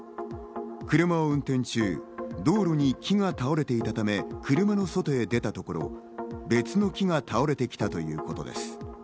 車を運転中、道路に木が倒れていたため車の外に出たところ、別の木が倒れてきたということです。